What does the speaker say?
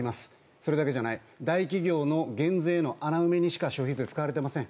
それだけじゃない、大企業の減税の穴埋めにしか、消費税使われていません。